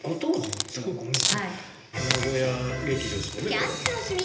「キャッツ」の秘密